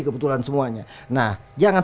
kebetulan semuanya nah jangan